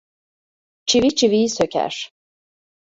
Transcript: Çivi çiviyi söker.